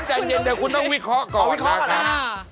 เจี๊ยนครับเดี๋ยวคุณต้องวิเคราะห์ก่อนแล้วครับ